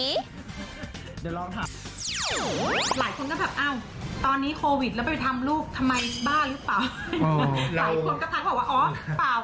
หลายคนก็แบบอ้าวตอนนี้โควิดแล้วไปทำลูกทำไมบ้าหรือเปล่า